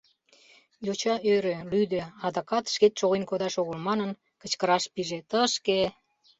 Йоча ӧрӧ, лӱдӧ, адакат шкет шоген кодаш огыл манын, кычкыраш пиже: «Тышке!